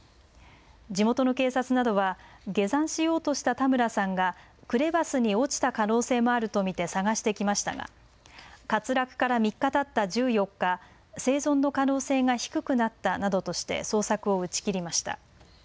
地元の警察などは下山しようとした田村さんがクレバスに落ちた可能性もあると見て捜してきましたが滑落から３日たった１４日、生存の可能性が低くなったなどとして捜索を打ち切りました。